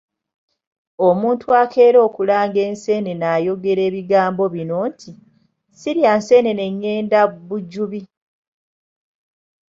Omuntu akeera okulanga enseenene ayogera ebigambo bino nti: ‘Sirya nseenene ngenda Bujubi’